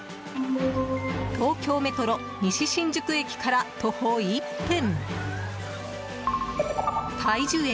東京メトロ西新宿駅から徒歩１分太樹苑